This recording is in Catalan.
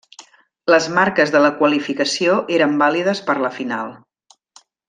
Les marques de la qualificació eren vàlides per la final.